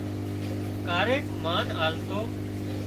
ڪاريڪ مانه آلتو